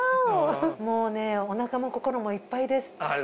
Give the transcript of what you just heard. もうねおなかも心もいっぱいです。